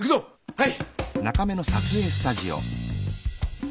はい。